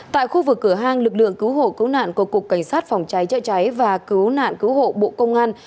tại khu vực cửa hang lực lượng cứu hộ cứu nạn của cục cảnh sát phòng cháy chữa cháy và cứu nạn cứu hộ bộ công an